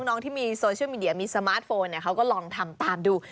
น้องที่มีโซเชียลมีเดียมีสมาร์ทโฟนเขาก็ลองทำตามดู